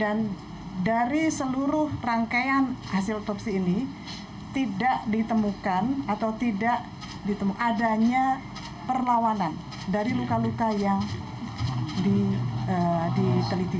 dan dari seluruh rangkaian hasil otopsi ini tidak ditemukan atau tidak ditemukan adanya perlawanan dari luka luka yang diteliti